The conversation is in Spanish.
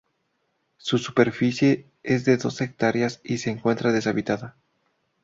Su superficie es de dos hectáreas y se encuentra deshabitada.